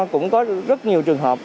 có cũng có rất nhiều trường hợp